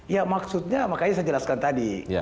ya maksudnya makanya saya jelaskan tadi